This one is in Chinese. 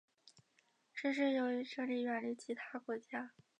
这是由于这里远离其他国家。